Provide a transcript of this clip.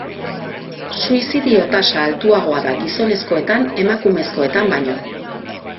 Suizidio tasa altuagoa da gizonezkoetan emakumezkoetan baino.